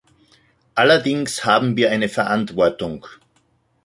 Allerdings haben wir eine Verantwortung.